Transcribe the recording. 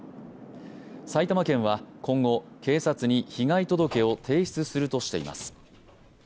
埼玉県は今後、警察に被害届を提出するとしています。